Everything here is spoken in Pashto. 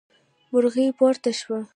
مرغۍ پورته شوه.